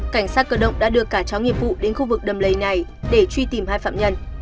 cảnh sát cơ động đã đưa cả chó nghiệp vụ đến khu vực đầm lầy này để truy tìm hai phạm nhân